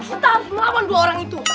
kita harus melawan dua orang itu